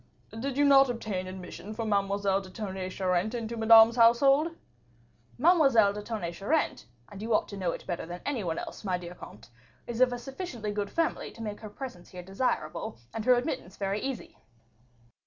"Did you not obtain admission for Mademoiselle de Tonnay Charente into Madame's household?" "Mademoiselle de Tonnay Charente and you ought to know it better than any one else, my dear comte is of a sufficiently good family to make her presence here desirable, and her admittance very easy."